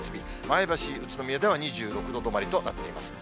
前橋、宇都宮では２６度止まりとなっています。